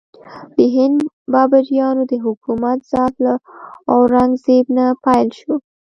د هند بابریانو د حکومت ضعف له اورنګ زیب نه پیل شو.